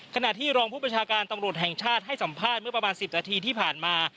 ขณะที่รองผู้ประชาการตำรวจแห่งชาติให้สัมภาษณ์เมื่อประมาณ๑๐นาทีที่ผ่านมา